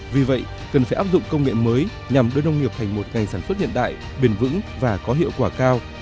vì vậy cần phải áp dụng công nghệ mới nhằm đưa nông nghiệp thành một ngành sản xuất hiện đại bền vững và có hiệu quả cao